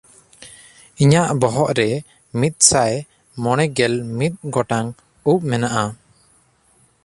ᱤᱧᱟᱜ ᱵᱚᱦᱚᱜ ᱨᱮ ᱢᱤᱫᱥᱟᱭ ᱢᱚᱬᱮᱜᱮᱞ ᱢᱤᱫ ᱜᱚᱴᱟᱝ ᱩᱵ ᱢᱮᱱᱟᱜᱼᱟ᱾